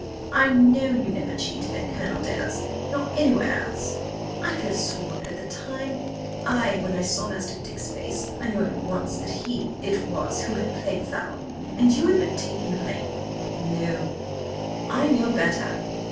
I know you never cheated at Colonel Dare's nor anywhere else! I could have sworn it at the time–ay, when I saw Master Dick's face, I knew at once that he it was who had played foul, and you had but taken the blame!" "No!" "I know better!